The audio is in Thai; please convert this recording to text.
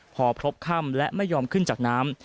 พอพบค่ำและไม่ยอมขึ้นจากน้ำ